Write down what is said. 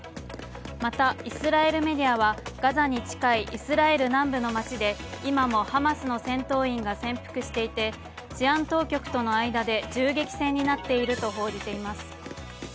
またイスラエルメディアは、ガザに近いイスラエル南部の町で今もハマスの戦闘員が潜伏していて、治安当局との間で銃撃戦になっていると報じています。